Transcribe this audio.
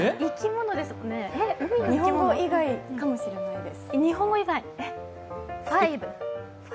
日本語以外かもしれないです。